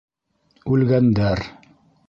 — Үлгәндәр...